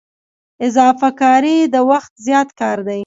اضافه کاري د وخت زیات کار دی